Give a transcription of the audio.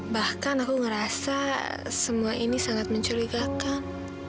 bahkan aku ngerasa semua ini sangat mencurigakan